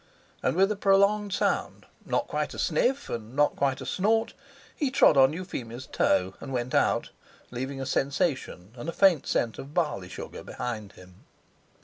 And with a prolonged sound, not quite a sniff and not quite a snort, he trod on Euphemia's toe, and went out, leaving a sensation and a faint scent of barley sugar behind him.